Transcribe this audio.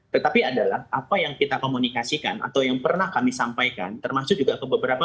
tetapi adalah apa yang kita komunikasikan atau yang pernah kami sampaikan termasuk juga ke beberapa